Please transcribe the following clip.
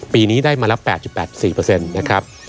ปีนี้ได้มาละ๘๘๔นะครับ